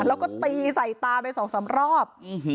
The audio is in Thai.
แล้วก็ตีใส่ตาไป๒๓รอบ